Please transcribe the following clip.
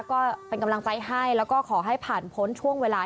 ก็เป็นกำลังใจให้แล้วก็ขอให้ผ่านพ้นช่วงเวลา